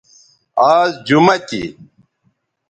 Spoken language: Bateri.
آز جمہ تھی